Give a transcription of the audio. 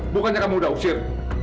bukannya kamu sudah usir